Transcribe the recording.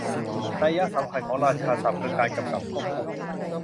นัยยะสำคัญของราชาศัพท์คือการกำกับควบคุม